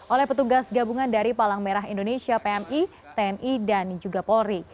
oleh petugas gabungan dari palang merah indonesia pmi tni dan juga polri